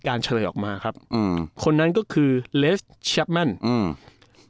เฉลยออกมาครับอืมคนนั้นก็คือเลสแชปแม่นอืม